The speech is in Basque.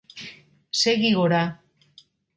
Segi gora.